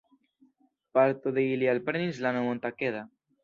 Parto de ili alprenis la nomon Takeda.